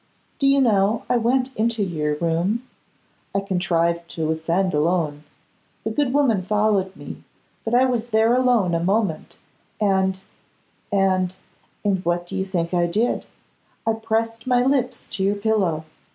Do you know, I went into your room? I contrived to ascend alone; the good woman followed me, but I was there alone a moment, and, and, and, what do you think I did? I pressed my lips to your pillow.